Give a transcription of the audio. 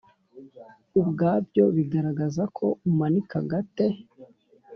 ubwabyo bigaragaza ko umanika agate